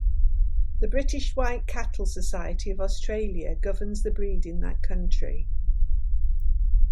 The British White Cattle Society of Australia governs the breed in that country.